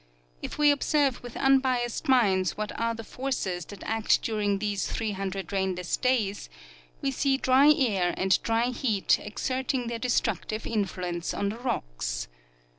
If we ob serve with unbiased minds what are the forces that act during these 300 rainless days, we see dry air and (\xy heat exerting their destructive influence on the rocks.